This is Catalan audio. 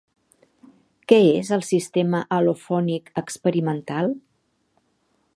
Què és el sistema al·lofònic experimental?